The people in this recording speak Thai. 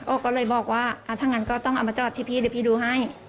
ก็เลยบอกว่าถ้างั้นก็ต้องเอามาจอดที่พี่เดี๋ยวพี่ดูให้